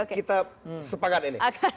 kita sepakat ini